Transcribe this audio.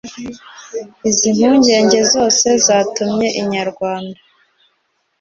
izi mpungenge zose zatumye Inyarwanda